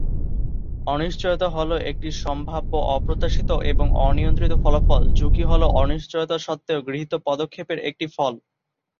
অনিশ্চয়তা হলো একটি সম্ভাব্য অপ্রত্যাশিত, এবং অনিয়ন্ত্রিত ফলাফল; ঝুঁকি হলো অনিশ্চয়তা সত্ত্বেও গৃহীত পদক্ষেপের একটি ফল।